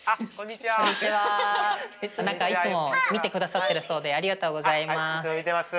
何かいつも見てくださってるそうでありがとうございます。